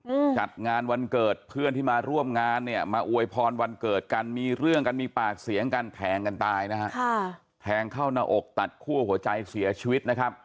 อืมจัดงานวันเกิดเพื่อนที่มาร่วมงานเนี่ยมาอวยพรวันเกิดกันมีเรื่องกันมีปากเสียงกันแทงกันตายนะฮะค่ะแทงเข้าหน้าอกตัดคั่วหัวใจเสียชีวิตนะครับ